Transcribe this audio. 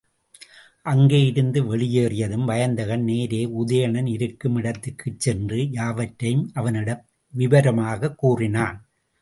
அங்கே இருந்து வெளியேறியதும் வயந்தகன் நேரே உதயணன் இருக்கும் இடத்திற்குச் சென்று, யாவற்றையும் அவனிடம் விவரமாகக் கூறினான்.